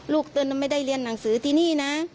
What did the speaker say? ลูกตัวนั้นไม่ได้เรียนหนังสือที่นี่นะ